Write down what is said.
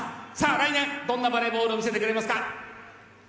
来年どんなバレーボールを見せてくれますか。